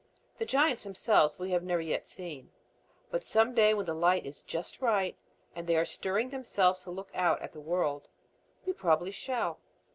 The giants themselves we have never yet seen. But some day when the light is just right, and they are stirring themselves to look out at the world, we probably shall.